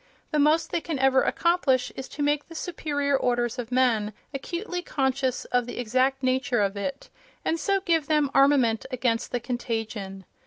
The most they can ever accomplish is to make the superior orders of men acutely conscious of the exact nature of it, and so give them armament against the contagion.